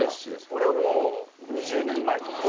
俺はもう２０年前とか。